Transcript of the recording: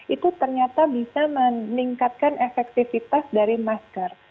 itu ternyata bisa meningkatkan efektivitas dari masker